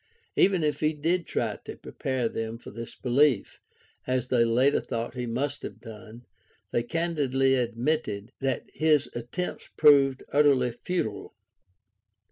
Even if he did try to prepare them for this belief — ^as they later thought he must have done — they candidly admitted that his attempts proved utterly futile.